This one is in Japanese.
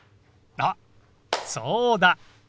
あそうだ。